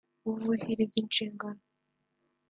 bubuhiriza inshingano